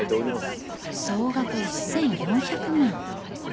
総額１４００万。